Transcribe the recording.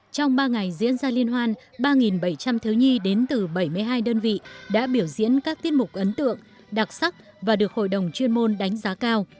trong ba ngày diễn ra liên hoan ba bảy trăm linh thiếu nhi đến từ bảy mươi hai đơn vị đã biểu diễn các tiết mục ấn tượng đặc sắc và được hội đồng chuyên môn đánh giá cao